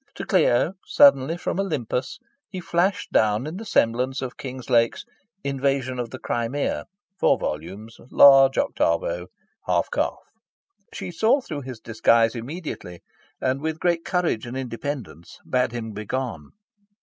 To Clio, suddenly from Olympus, he flashed down in the semblance of Kinglake's "Invasion of the Crimea" (four vols., large 8vo, half calf). She saw through his disguise immediately, and, with great courage and independence, bade him begone.